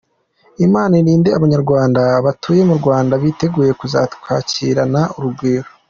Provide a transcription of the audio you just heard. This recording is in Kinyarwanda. Imana irinde Abanyarwanda batuye mu Rwanda biteguye kuzatwakirana urugwiro.